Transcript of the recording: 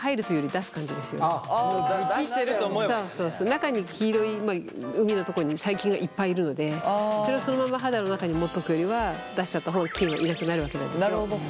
中に黄色い膿のとこに細菌がいっぱいいるのでそれをそのまま肌の中に持っとくよりは出しちゃった方が菌はいなくなるわけなんですよ。